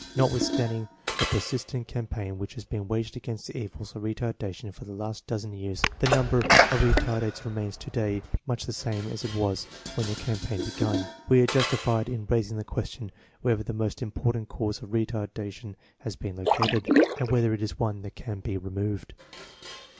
Notwithstanding the persistent cam paign which has been waged against the evils of retar dation for the last dozen years, the number of retar dates remains to day much the same as it was when the campaign began. We are justified in raising the question whether the most important cause of retarda tion has been located, and whether it is one that can be removed.